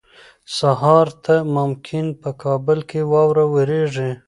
سهار ته ممکن په کابل کې واوره ووریږي.